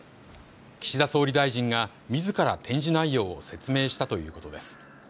岸田総理大臣がみずから展示内容を説明したということです。